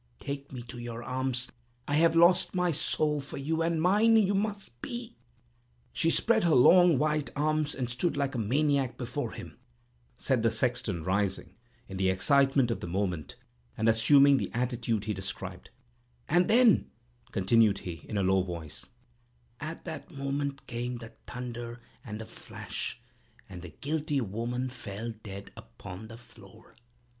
Take me to your arms: I have lost my soul for you, and mine must you be!" "She spread her long, white arms, and stood like a maniac before him," said the sexton, rising, in the excitement of the moment, and assuming the attitude he described; "and then," continued he, in a hollow voice, "at that moment came the thunder and the flash, and the guilty woman fell dead upon the floor!"